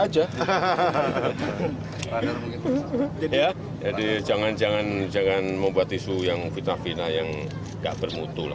jadi jangan jangan membuat isu yang fitnah fitnah yang tidak bermutu lah